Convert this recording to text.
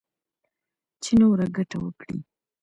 چـې نـوره ګـټـه وكړي.